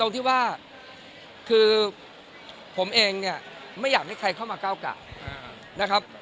ที่ว่าผมเองไม่อยากให้ใครเข้ามาเก้าการ